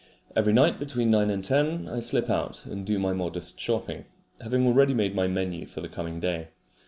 Every night between nine and ten I slip out and do my modest shopping, having already made my MENU for the coming day.